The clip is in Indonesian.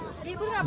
terhibur gak pak